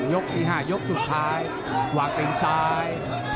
ยกที่๕ยกสุดท้ายวางตีนซ้าย